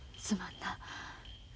すまんな。